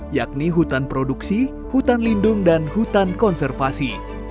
yakni hutan produksi hutan lindung dan hutan konservasi